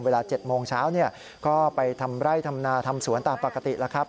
เวลา๗โมงเช้าก็ไปทำไร่ทำนาทำสวนตามปกติแล้วครับ